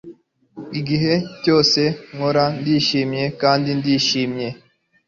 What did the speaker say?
igihe cyose nkora, ndishimye kandi ndishimye